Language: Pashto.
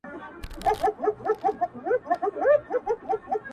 ښايست هم هغه فريبونه لا هم هغسې دي